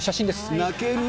泣けるな。